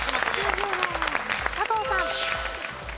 佐藤さん。